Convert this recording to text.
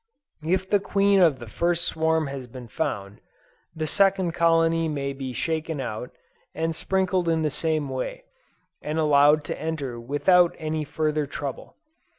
If the queen of the first swarm has been found, the second colony may be shaken out, and sprinkled in the same way, and allowed to enter without any further trouble.